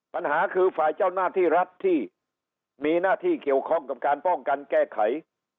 ปัญหาคือฝ่ายเจ้าหน้าที่รัฐที่มีหน้าที่เกี่ยวข้องกับการป้องกันแก้ไข